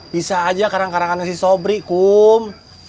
bisa aja karang karangannya si sobri kum